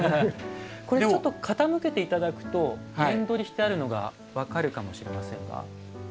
これちょっと傾けて頂くと面取りしてあるのが分かるかもしれませんが。